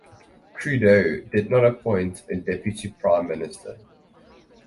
Trudeau did not appoint a deputy prime minister.